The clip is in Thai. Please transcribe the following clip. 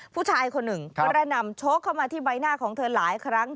ผู้ชายคนหนึ่งกระนำโชคเข้ามาที่ใบหน้าของเธอหลายครั้ง